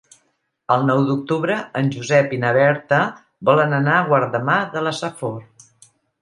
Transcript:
El nou d'octubre en Josep i na Berta volen anar a Guardamar de la Safor.